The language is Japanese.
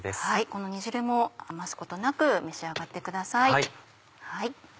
この煮汁も余すことなく召し上がってください。